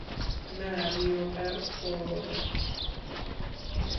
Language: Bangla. না, আমি ওটা পরবো না!